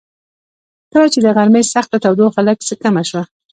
کله چې د غرمې سخته تودوخه لږ څه کمه شوه.